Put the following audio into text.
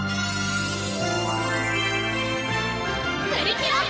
プリキュア！